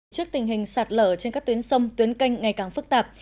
trước tình hình sạt lở trên các tuyến sông tuyến canh ngày càng phức tạp